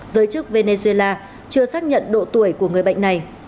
giới chức venezuela chưa xác nhận độ tuổi của người bệnh này